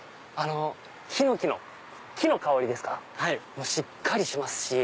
ヒノキの木の香りもしっかりしますし。